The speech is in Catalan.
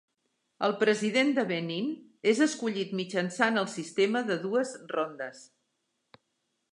El president de Benin és escollit mitjançant el sistema de dues rondes.